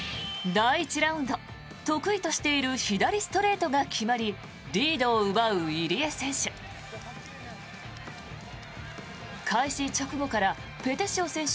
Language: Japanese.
第１ラウンド、得意としている左ストレートが決まりリードを奪う入江選手。